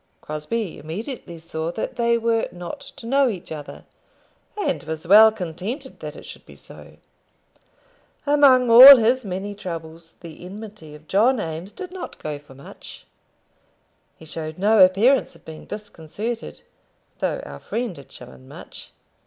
Crosbie immediately saw that they were not to know each other, and was well contented that it should be so. Among all his many troubles, the enmity of John Eames did not go for much. He showed no appearance of being disconcerted, though our friend had shown much.